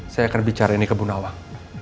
saya akan bicara ini ke bu nawang